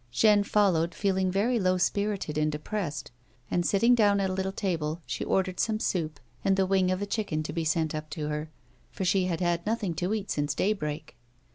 Jeanne followed, feeling very low spirited and depressed, and sitting down at a little table, she ordered some soup and the wing of a chicken to be sent up to her, for she had had nothing to eat since day break.